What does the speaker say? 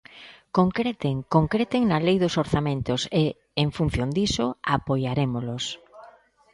Concreten, concreten na lei dos orzamentos, e, en función diso, apoiarémolos.